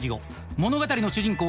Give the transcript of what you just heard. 物語の主人公